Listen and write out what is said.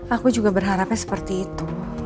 aku juga berharapnya seperti itu